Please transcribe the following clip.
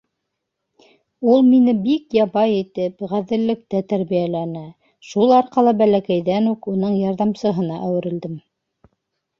Ул мине бик ябай итеп, ғәҙеллектә тәрбиәләне, шул арҡала бәләкәйҙән үк уның ярҙамсыһына әүерелдем.